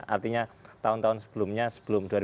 artinya tahun tahun sebelumnya sebelum dua ribu tujuh belas